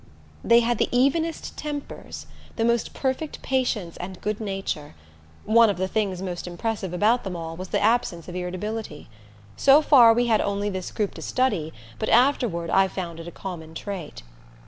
They had the evenest tempers, the most perfect patience and good nature one of the things most impressive about them all was the absence of irritability. So far we had only this group to study, but afterward I found it a common trait.